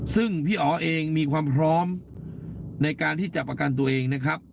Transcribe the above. ซึ่งพี่อ๋อเองมีความพร้อมในการที่จะประกันตัวเองนะครับ